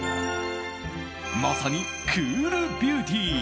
まさにクールビューティー。